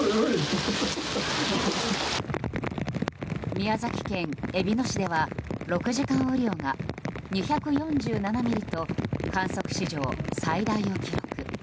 宮崎県えびの市では６時間雨量が２４７ミリと観測史上最大を記録。